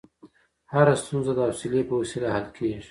هره ستونزه د حوصلې په وسیله حل کېږي.